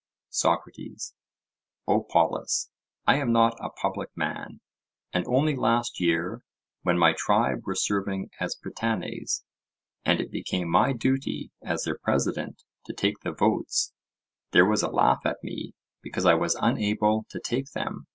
SOCRATES: O Polus, I am not a public man, and only last year, when my tribe were serving as Prytanes, and it became my duty as their president to take the votes, there was a laugh at me, because I was unable to take them.